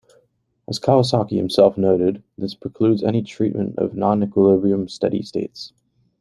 As Kawasaki himself noted this precludes any treatment of nonequilibrium steady states.